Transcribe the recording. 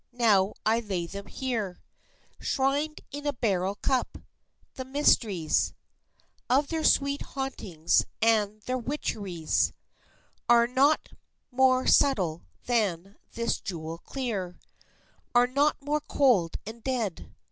Now I lay them here, Shrined in a beryl cup. The mysteries Of their sweet hauntings and their witcheries Are not more subtle than this jewel clear, Are not more cold and dead.